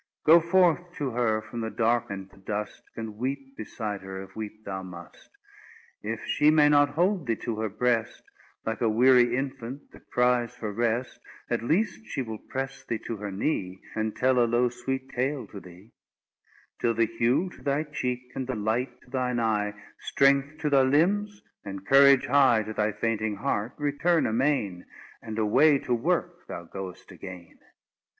Go forth to her from the dark and the dust, And weep beside her, if weep thou must; If she may not hold thee to her breast, Like a weary infant, that cries for rest At least she will press thee to her knee, And tell a low, sweet tale to thee, Till the hue to thy cheeky and the light to thine eye, Strength to thy limbs, and courage high To thy fainting heart, return amain, And away to work thou goest again.